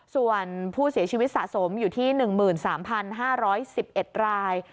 ส่วนผู้เสียชีวิตสะสมอยู่ที่๑๓๕๑๑ราย